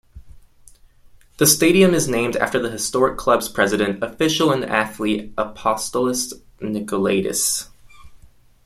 The stadium is named after the historic club's president, official and athlete Apostolos Nikolaidis.